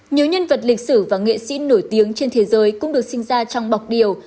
nhiều nhân vật lịch sử và nghệ sĩ nổi tiếng trên thế giới cũng được sinh ra trong bọc điều